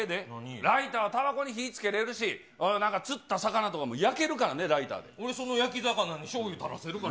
ライターはたばに火つけれるし、釣った魚とかも焼けるからね、俺、その焼き魚にしょうゆ垂らせるからね。